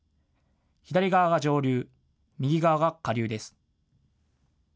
左側が上流、右側が下流です。